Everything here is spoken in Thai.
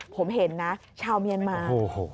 ผมเห็นนะชาวเมียนมา